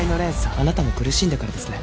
あなたも苦しんだからですね。